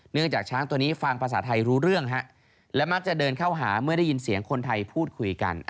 จากช้างตัวนี้ฟังภาษาไทยรู้เรื่องและมักจะเดินเข้าหาเมื่อได้ยินเสียงคนไทยพูดคุยกัน